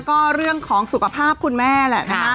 ก็เรื่องของสุขภาพคุณแม่แหละนะคะ